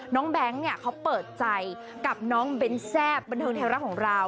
แบงค์เนี่ยเขาเปิดใจกับน้องเบ้นแซ่บบันเทิงไทยรัฐของเรา